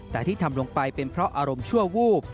แต่ที่ทำลงไปเป็นเพราะอารมณ์ชั่ววูบ